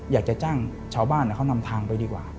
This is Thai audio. อยากจะจ้างชาวบ้านเขานำทางไปดีกว่า